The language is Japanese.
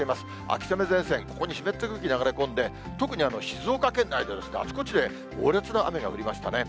秋雨前線、ここに湿った空気流れ込んで、特に静岡県内で、あちこちで猛烈な雨が降りましたね。